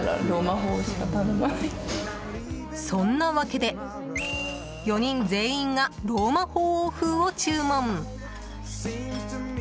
そんなわけで、４人全員がローマ法王風を注文。